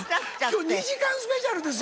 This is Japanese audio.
今日２時間スペシャルですよ。